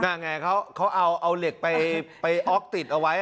ไงเขาเอาเหล็กไปออกติดเอาไว้